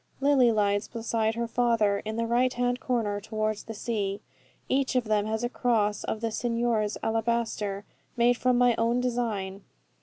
Lily lies beside her father, in the right hand corner towards the sea. Each of them has a cross of the Signor's alabaster, made from my own design.